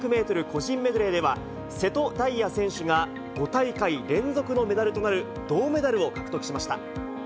個人メドレーでは、瀬戸大也選手が５大会連続のメダルとなる銅メダルを獲得しました。